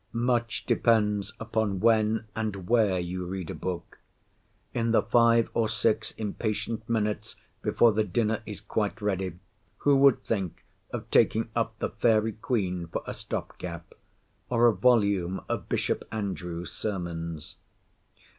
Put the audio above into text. Much depends upon when and where you read a book. In the five or six impatient minutes, before the dinner is quite ready, who would think of taking up the Fairy Queen for a stop gap, or a volume of Bishop Andrewes' sermons?